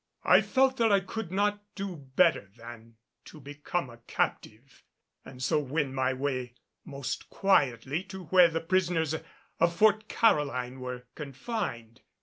I felt that I could not do better than to become a captive, and so win my way most quietly to where the prisoners of Fort Caroline were confined.